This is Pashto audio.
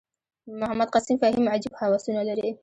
محمد قسیم فهیم عجیب هوسونه لري.